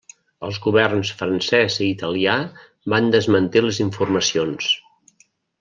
Els Governs francès i italià van desmentir les informacions.